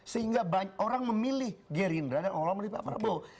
sehingga orang memilih gerindra dan orang memilih pak prabowo